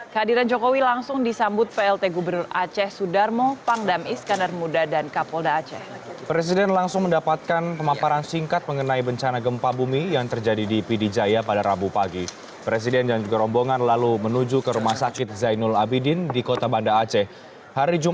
kehadiran jokowi langsung disambut vlt gubernur aceh sudarmo pangdam iskandar muda dan kapolda aceh